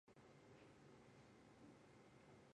比贝斯海姆阿姆赖因是德国黑森州的一个市镇。